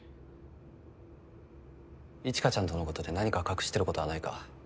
一華ちゃんとのことで何か隠してることはないか？